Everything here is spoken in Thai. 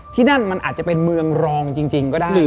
ที่นั่นมันอาจจะเป็นเมืองรองจริงก็ได้